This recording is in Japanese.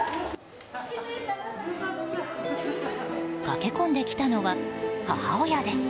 駆け込んできたのは母親です。